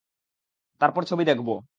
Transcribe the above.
তারপর ছবি দেখব।